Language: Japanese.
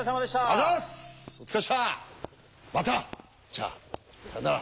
じゃあさよなら。